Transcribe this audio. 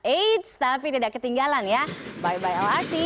eits tapi tidak ketinggalan ya bye bye lrt